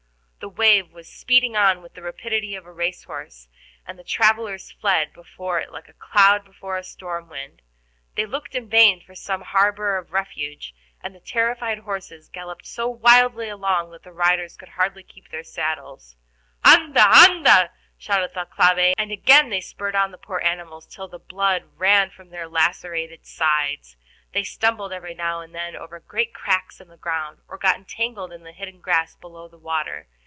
The wave was speeding on with the rapidity of a racehorse, and the travelers fled before it like a cloud before a storm wind. They looked in vain for some harbor of refuge, and the terrified horses galloped so wildly along that the riders could hardly keep their saddles. "Anda, anda!" shouted Thalcave, and again they spurred on the poor animals till the blood ran from their lacerated sides. They stumbled every now and then over great cracks in the ground, or got entangled in the hidden grass below the water.